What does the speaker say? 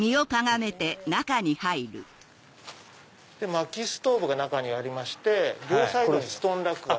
薪ストーブが中にありまして両サイドにストーンラックが。